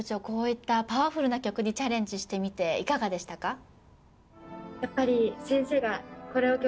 こういったパワフルな曲にチャレンジしてみていかがでしたか？